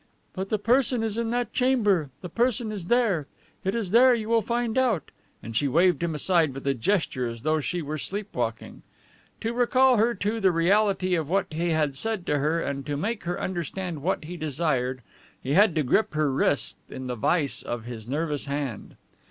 "But the person is in that chamber. The person is there! It is there you will find out!" And she waved him aside with a gesture as though she were sleepwalking. To recall her to the reality of what he had said to her and to make her understand what he desired, he had to grip her wrist in the vice of his nervous hand.